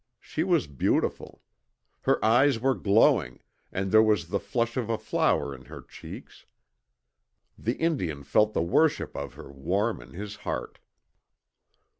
She was beautiful. Her eyes were glowing, and there was the flush of a flower in her cheeks. The Indian felt the worship of her warm in his heart.